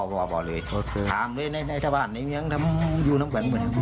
ภังเลยในนี้ชั้นถึงประหลังที่น้ำกลาง